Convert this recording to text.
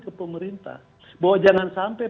ke pemerintah bahwa jangan sampai